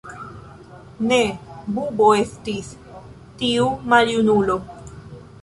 Ne bubo estis, tiu maljunulo.